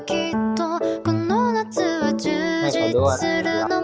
เพื่อจะให้แฟนได้รู้ว่าเรามีเขาคนเดียว